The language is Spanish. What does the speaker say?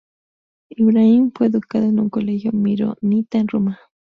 Ibrahim fue educado en un colegio Maronita en Roma.